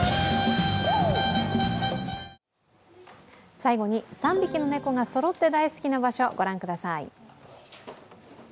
最後に、３匹の猫がそろって大好きな場所、ご覧ください。